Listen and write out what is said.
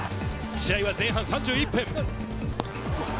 試合は前半３１分。